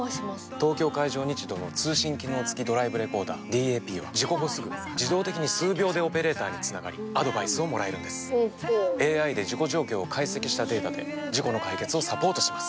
東京海上日動の通信機能付きドライブレコーダーＤＡＰは事故後すぐ自動的に数秒でオペレーターにつながりアドバイスをもらえるんですＡＩで事故状況を解析したデータで事故の解決をサポートします